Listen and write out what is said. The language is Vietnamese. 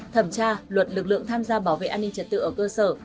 thẩm tra luật lực lượng tham gia bảo vệ an ninh trật tự ở cơ sở